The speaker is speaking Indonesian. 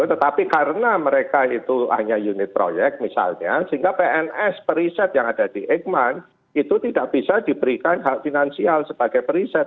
tetapi karena mereka itu hanya unit proyek misalnya sehingga pns periset yang ada di eijkman itu tidak bisa diberikan hak finansial sebagai periset